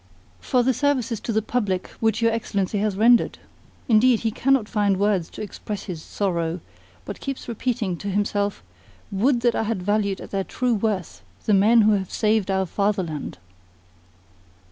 "For the services to the public which your Excellency has rendered. Indeed, he cannot find words to express his sorrow, but keeps repeating to himself: 'Would that I had valued at their true worth the men who have saved our fatherland!